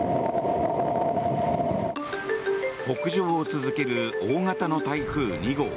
北上を続ける大型の台風２号。